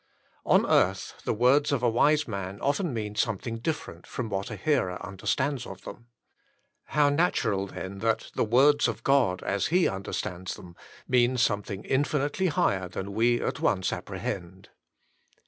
On earth the words of a wise man often mean something different from what a hearer under stands of them. How natural then that the words of God, as He understands them, mean something infinitely higher than we at once appre*hend.